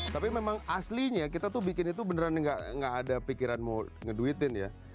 tapi memang aslinya kita tuh bikin itu beneran gak ada pikiran mau ngeduitin ya